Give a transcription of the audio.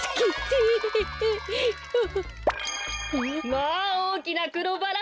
まあおおきなくろバラ。